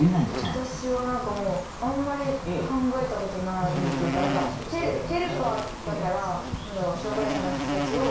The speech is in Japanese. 私は何かもうあんまり考えたことないというかヘルパーだから何だろう障害者の人たちを手助けというか。